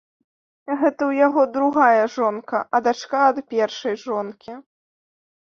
Гэта ў яго другая жонка, а дачка ад першай жонкі.